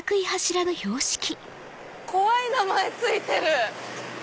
怖い名前付いてる！